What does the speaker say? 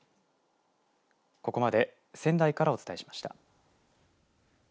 ここまで仙台からお伝えしました。